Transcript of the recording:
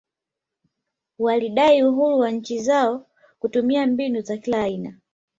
Walidai uhuru wa nchi zao kutumia mbinu za kila aina